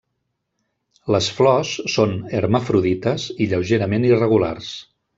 Les flors són hermafrodites i lleugerament irregulars.